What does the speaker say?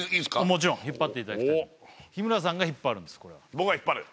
もちろん引っ張っていただきたい日村さんが引っ張るんですこれは僕が引っ張る？